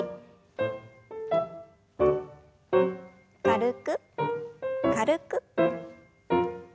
軽く軽く。